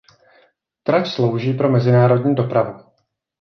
Trať slouží pro mezinárodní dopravu.